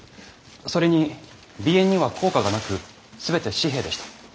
それにＢ円には硬貨がなく全て紙幣でした。